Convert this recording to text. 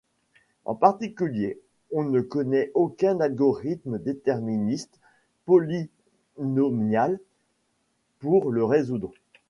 En particulier, on ne connaît aucun algorithme déterministe polynomial pour le résoudre.